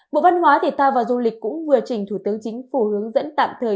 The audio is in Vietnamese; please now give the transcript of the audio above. bộ văn hóa thể thao và du lịch cũng vừa trình thủ tướng chính phủ hướng dẫn tạm thời